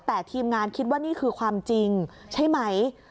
แต่ทีมงานคิดว่านี่คือความจริงใช่ไหม